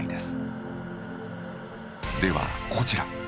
ではこちら。